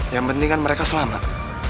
yang penting kan mereka selamat